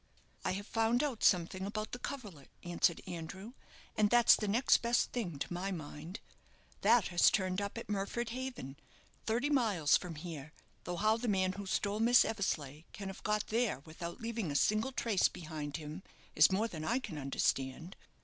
"I have found out something about the coverlet," answered Andrew; "and that's the next best thing, to my mind. That has turned up at Murford Haven, thirty miles from here; though how the man who stole Miss Eversleigh can have got there without leaving a single trace behind him is more than I can understand."